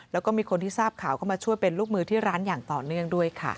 แล้วก็มีคนที่ทราบข่าวเข้ามาช่วยเป็นลูกมือที่ร้านอย่างต่อเนื่องด้วยค่ะ